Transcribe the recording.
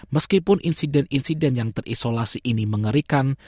meskipun insiden insiden yang terisolasi ini mengerikan